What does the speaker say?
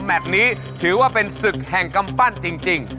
นี้ถือว่าเป็นศึกแห่งกำปั้นจริง